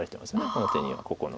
この手にはここの。